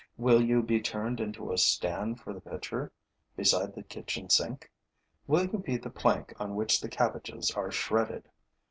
Will you be turned into a stand for the pitcher beside the kitchen sink? Will you be the plank on which the cabbages are shredded?